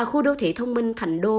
khu đô thị thông minh thành đô